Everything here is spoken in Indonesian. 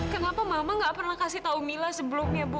kenapa mama nggak pernah kasih tau mila sebelumnya bu